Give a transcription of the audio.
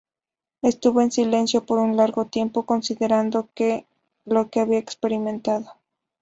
Estuvo en silencio por un largo tiempo, considerando lo que había experimentado.